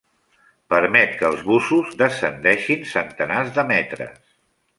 Permet que els bussos descendeixin centenars de metres.